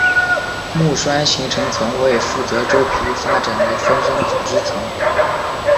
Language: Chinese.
木栓形成层为负责周皮发展的分生组织层。